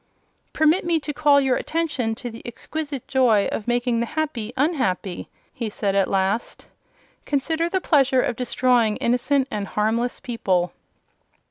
"Permit me to call your attention to the exquisite joy of making the happy unhappy," said he at last. "Consider the pleasure of destroying innocent and harmless people."